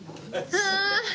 ああ！